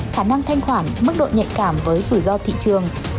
khả năng thanh khoản mức độ nhạy cảm với rủi ro thị trường